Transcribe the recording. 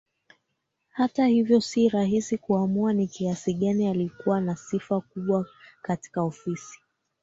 Hata hivyo si rahisi kuamua ni kiasi gani alikuwa na sifa kubwa katika ofisi